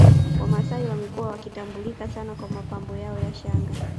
Wamasai wamekuwa wakitambulika sana kwa mapambo yao ya shanga